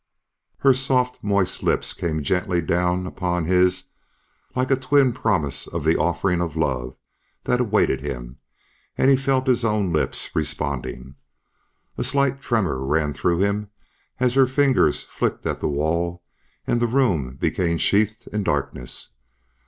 Her soft, moist lips came gently down upon his like a twin promise of the offering of love that awaited him and he felt his own lips responding. A slight tremor ran through him as her fingers flicked at the wall and the room became sheathed in darkness.